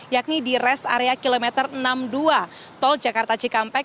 yakni di res area kilometer enam puluh dua tol jakarta cikampek